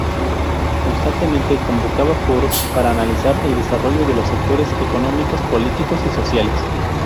Constantemente convocaba foros para analizar el desarrollo de los sectores económicos, políticos y sociales.